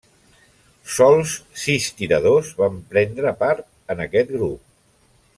Sols sis tiradors van prendre part en aquest grup.